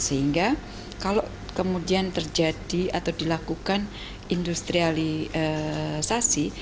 sehingga kalau kemudian terjadi atau dilakukan industrialisasi